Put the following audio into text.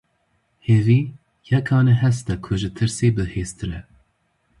Hêvî, yekane hest e ku ji tirsê bihêztir e.